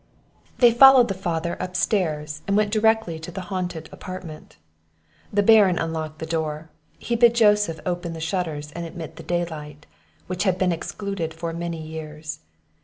They followed the father up stairs, and went directly to the haunted apartment. The Baron unlocked the door; he bid Joseph open the shutters, and admit the daylight, which had been excluded for many years.